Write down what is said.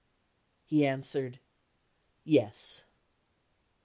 He answered: "Yes."